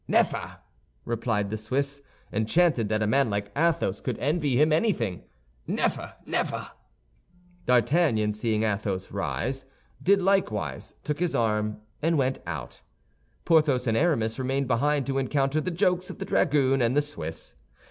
"Neffer," replied the Swiss, enchanted that a man like Athos could envy him anything. "Neffer, neffer!" D'Artagnan, seeing Athos rise, did likewise, took his arm, and went out. Porthos and Aramis remained behind to encounter the jokes of the dragoon and the Swiss.